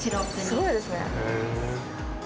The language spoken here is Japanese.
すごいですね。